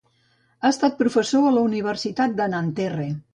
Ha estat professor a la Universitat de Nanterre.